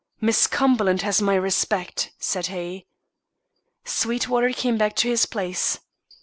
"Miss Cumberland has my respect," said he. Sweetwater came back to his place.